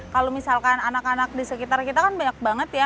kalau misalkan anak anak di sekitar kita kan banyak banget ya